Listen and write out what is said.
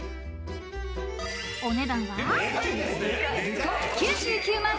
［お値段は］